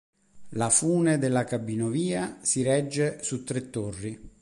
La fune della cabinovia si regge su tre torri.